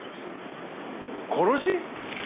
殺し？